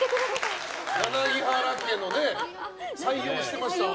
柳原家のね、採用してましたが。